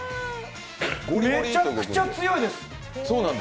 めちゃくちゃ強いです。